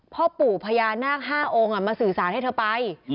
พ่อปู่พญานาค๕องค์มาสื่อสารให้เธอไป